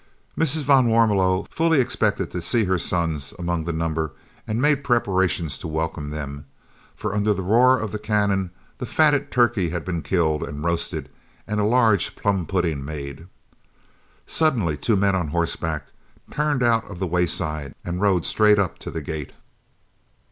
Mrs. van Warmelo fully expected to see her sons among the number and made preparations to welcome them, for under the roar of cannon the fatted turkey had been killed and roasted and a large plum pudding made. Suddenly two men on horseback turned out of the wayside and rode straight up to the gate.